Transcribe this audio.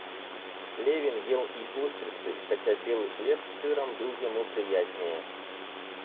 Левин ел и устрицы, хотя белый хлеб с сыром был ему приятнее.